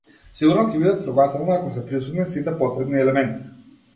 Сигурно ќе биде трогателна ако се присутни сите потребни елементи.